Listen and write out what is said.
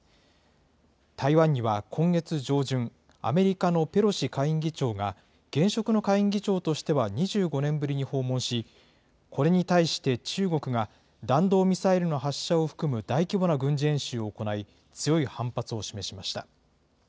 台湾には今月上旬、アメリカのペロシ下院議長が現職の下院議長としては２５年ぶりに訪問し、これに対して中国が、弾道ミサイルの発射を含む大規模な軍事演習を行い、強い反発を示しました。